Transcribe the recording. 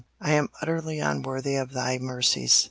I am utterly unworthy of Thy mercies.